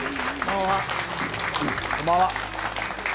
こんばんは。